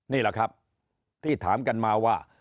นี่แหละครับที่ถามกันมาว่า